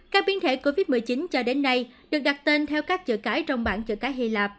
các biến thể covid một mươi chín cho đến nay được đặt tên theo các chữ cái trong bảng chợ cái hy lạp